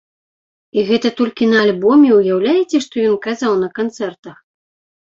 І гэта толькі на альбоме, уяўляеце што ён казаў на канцэртах?